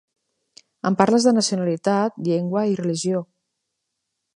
Em parles de nacionalitat, llengua i religió.